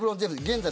現在